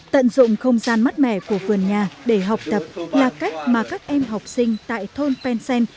tận dụng không gian mắt mẻ của vườn nhà để học tập là cách mà các em học sinh tại thôn pen sen